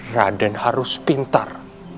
raden harus pintar